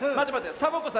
サボ子さん